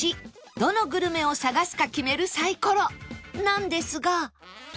どのグルメを探すか決めるサイコロなんですが